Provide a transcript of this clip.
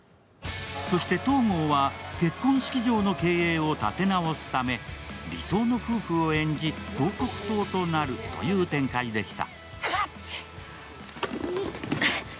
そして東郷は結婚式場の経営を立て直すため理想の夫婦を演じ、広告塔となるという展開でした。